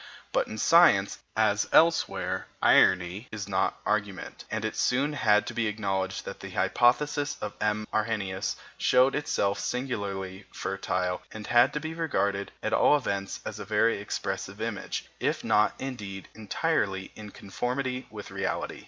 But in science, as elsewhere, irony is not argument, and it soon had to be acknowledged that the hypothesis of M. Arrhenius showed itself singularly fertile and had to be regarded, at all events, as a very expressive image, if not, indeed, entirely in conformity with reality.